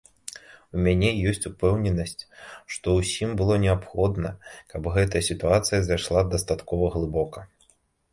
У мяне ёсць упэўненасць, што ўсім было неабходна, каб гэтая сітуацыя зайшла дастаткова глыбока.